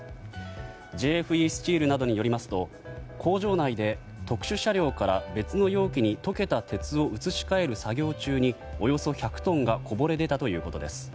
ＪＦＥスチールなどによりますと工場内で特殊車両から別の容器に溶けた鉄を移し替える作業中におよそ１００トンがこぼれ出たということです。